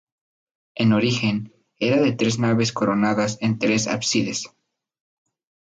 En origen, era de tres naves coronadas por tres ábsides.